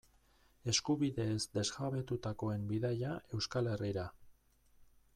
Eskubideez desjabetutakoen bidaia Euskal Herrira.